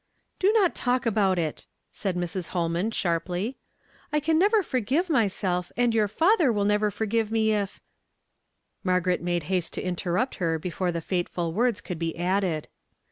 " Do not talk about it !" said Mrs. Holman shari)ly. '^ I can never forgive myself, and your father will never forgive me if"— Margaret made haste to interrupt her before the fateful words could be added.